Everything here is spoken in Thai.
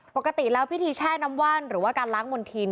ปกติแล้วพิธีแช่น้ำว่านหรือว่าการล้างมณฑิน